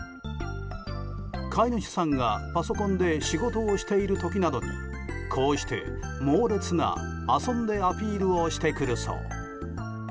飼い主さんがパソコンで仕事をしている時などにこうして猛烈な遊んでアピールをしてくるそう。